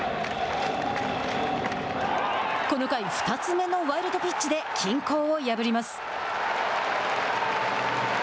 この回２つ目のワイルドピッチで均衡を破ります。